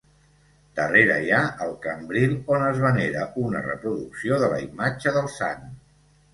Darrere hi ha el cambril on es venera una reproducció de la imatge del Sant.